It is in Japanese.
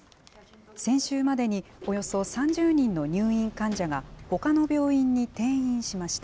先週までにおよそ３０人の入院患者が、ほかの病院に転院しました。